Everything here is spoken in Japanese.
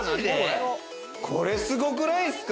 これ、すごくないすか？